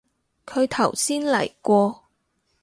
佢頭先嚟過